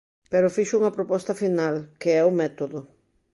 Pero fixo unha proposta final, que é o método.